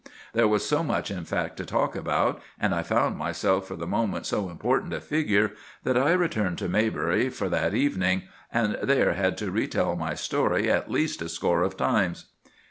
There was so much, in fact, to talk about, and I found myself for the moment so important a figure, that I returned to Maybury for that evening, and there had to retell my story at least a score of times."